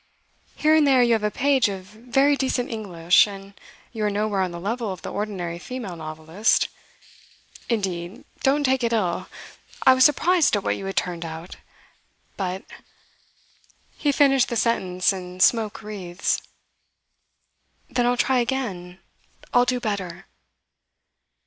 Here and there you have a page of very decent English, and you are nowhere on the level of the ordinary female novelist. Indeed don't take it ill I was surprised at what you had turned out. But ' He finished the sentence in smoke wreaths. 'Then I'll try again. I'll do better.